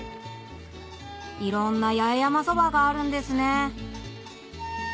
いろんな八重山そばがあるんですね